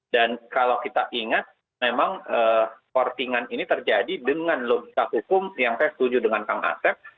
dan kalau kita ingat memang kortingan ini terjadi dengan logika hukum yang saya setuju dengan kang asep